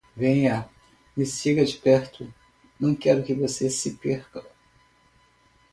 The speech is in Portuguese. Venha, me siga de perto, não quero que você se perca.